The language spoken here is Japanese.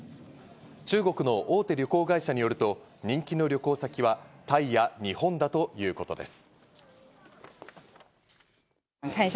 中国の大手旅行会社によると人気の旅行先はタイや日本だということです。